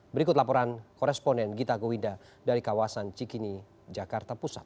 berikut laporan koresponen gita gowinda dari kawasan cikini jakarta pusat